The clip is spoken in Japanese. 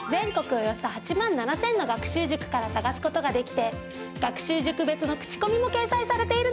およそ８万７０００の学習塾から探す事ができて学習塾別の口コミも掲載されているの。